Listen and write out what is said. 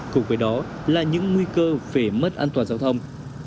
cùng với đó là những nguy cơ về mất an toàn giao thông